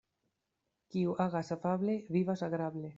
Kiu agas afable, vivas agrable.